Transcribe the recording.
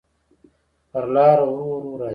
پر لاره ورو، ورو راځې